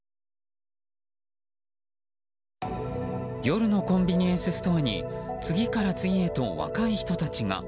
夜のコンビニエンスストアに次から次へと若い人たちが。